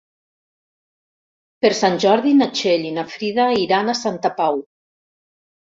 Per Sant Jordi na Txell i na Frida iran a Santa Pau.